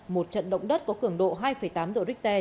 một trận động đất có cường độ hai tám độ richter